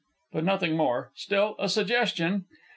But nothing more. Still, a suggestion